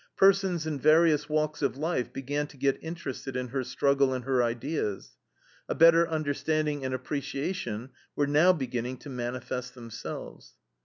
Persons in various walks of life began to get interested in her struggle and her ideas. A better understanding and appreciation were now beginning to manifest themselves.